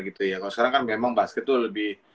gitu ya kalau sekarang kan memang basket tuh lebih